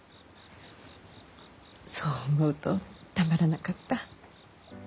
そう思うとたまらなかった。